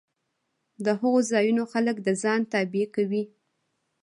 د هغو ځایونو خلک د ځان تابع کوي